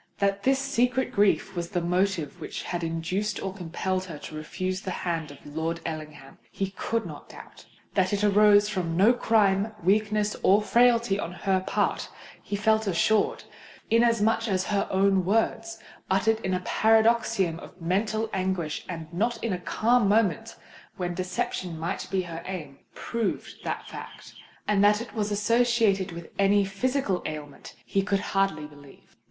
That this secret grief was the motive which had induced or compelled her to refuse the hand of Lord Ellingham, he could not doubt:—that it arose from no crime—weakness—nor frailty on her part, he felt assured; inasmuch as her own words, uttered in a paroxysm of mental anguish and not in a calm moment when deception might be her aim, proved that fact;—and that it was associated with any physical ailment, he could hardly believe.